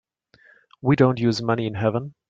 We don't use money in heaven.